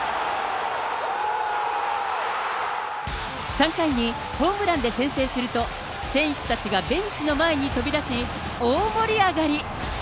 ３回にホームランで先制すると、選手たちがベンチの前に飛び出し、大盛り上がり。